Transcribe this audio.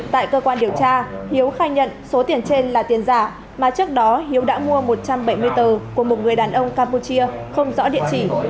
tại cơ quan điều tra hiếu khai nhận số tiền trên là tiền giả mà trước đó hiếu đã mua một trăm bảy mươi tờ của một người đàn ông campuchia không rõ địa chỉ